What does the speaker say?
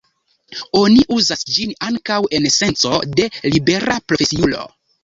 Oni uzas ĝin ankaŭ en senco de libera profesiulo.